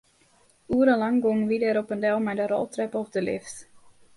Oerenlang gongen wy dêr op en del mei de roltrep of de lift.